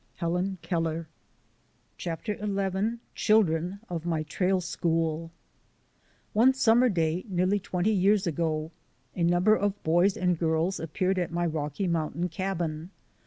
— Helen Keller. CHAPTER XI CHILDREN OF MY TRAIL SCHOOL ONE summer day nearly twenty years ago a number of boys and girls appeared at my Rocky Mountain cabin.